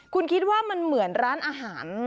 คุณคิดว่ามันเหมือนร้านอาหาร